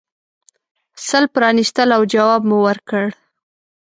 سل پرانیستل او جواب مو ورکړ.